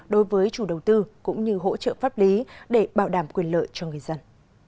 đối với chủ đầu tư cũng như hỗ trợ pháp lý để bảo đảm quyền lợi cho người dân